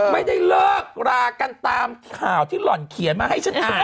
ไม่ได้เลิกรากันตามข่าวที่หล่อนเขียนมาให้ฉันอ่าน